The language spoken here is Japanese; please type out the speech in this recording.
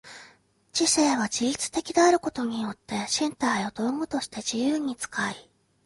知性は自律的であることによって身体を道具として自由に使い、